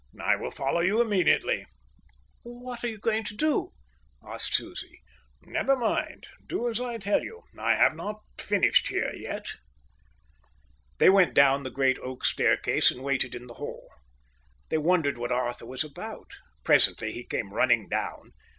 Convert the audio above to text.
"I will follow you immediately." "What are you going to do?" asked Susie. "Never mind. Do as I tell you. I have not finished here yet." They went down the great oak staircase and waited in the hall. They wondered what Arthur was about. Presently he came running down.